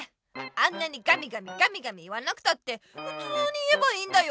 あんなにガミガミガミガミ言わなくたってふつうに言えばいいんだよ。